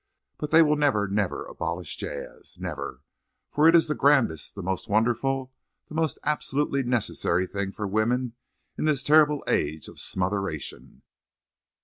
But they will never, never abolish jazz—never, for it is the grandest, the most wonderful, the most absolutely necessary thing for women in this terrible age of smotheration."